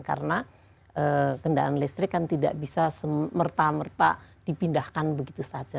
karena kendaraan listrik kan tidak bisa semerta merta dipindahkan begitu saja